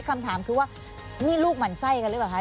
คำถามคือว่านี่ลูกหมั่นไส้กันหรือเปล่าคะ